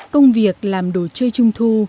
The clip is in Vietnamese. công việc làm đồ chơi trung thu